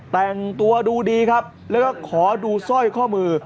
แต่งตัวดูดีครับแล้วก็ขอดูสร้อยข้อมือ